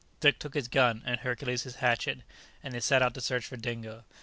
] Dick took his gun and Hercules his hatchet, and they set out to search for Dingo.